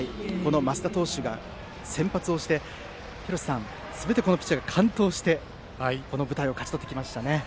升田投手が先発をしてすべてこのピッチャーが完投して、この舞台を勝ち取ってきましたね。